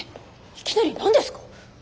いきなりなんですか！